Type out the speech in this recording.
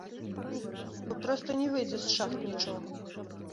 Бо проста не выйдзе з шахт нічога.